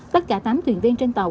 tất cả tám thuyền viên trên tàu